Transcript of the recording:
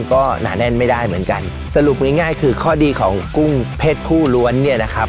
ก็หนาแน่นไม่ได้เหมือนกันสรุปง่ายง่ายคือข้อดีของกุ้งเพศผู้ล้วนเนี่ยนะครับ